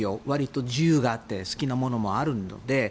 割と自由があって好きなものもあるので。